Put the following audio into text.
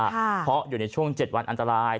เหมือนก็อยู่ในช่วง๗วันอันตราย